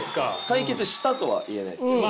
解決したとは言えないですけど。